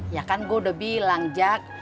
ya kan gue udah bilang jak